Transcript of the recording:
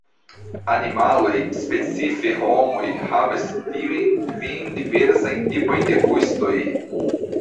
Animaloj, specife homoj, havas tiujn kvin diversajn tipojn de gustoj.